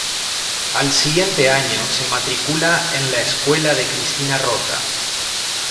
Al siguiente año se matricula en la escuela de Cristina Rota.